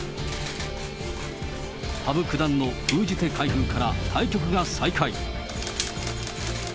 羽生九段の封じ手開封から対局が再開。